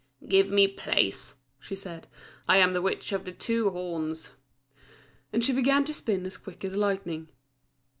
"Give me place," she said, "I am the Witch of the two Horns," and she began to spin as quick as lightning.